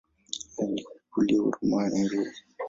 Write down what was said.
Alikulia Huruma Nairobi.